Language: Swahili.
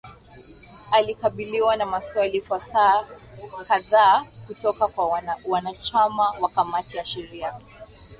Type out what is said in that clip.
alikabiliwa na maswali kwa saa kadhaa kutoka kwa wanachama wa kamati ya sheria